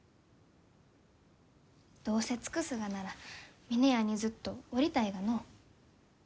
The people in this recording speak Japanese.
どうせ尽くすがなら峰屋にずっとおりたいがのう。